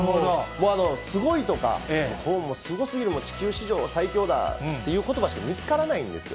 もうすごいとか、すごすぎる、地球史上最強だっていうことばしか見つからないんですよ。